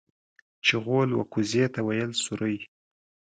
چغول و کوزې ته ويل سورۍ.